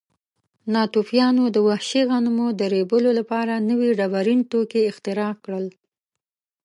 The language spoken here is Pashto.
ناتوفیانو د وحشي غنمو د ریبلو لپاره نوي ډبرین توکي اختراع کړل.